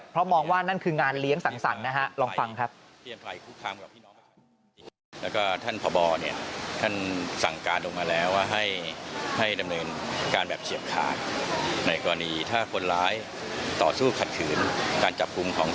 เพราะมองว่านั่นคืองานเลี้ยงสั่งนะฮะลองฟังครับ